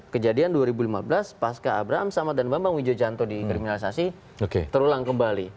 kejadian dua ribu lima belas pas ke abraham samad dan bambang widjo jantoh dikriminalisasi terulang kembali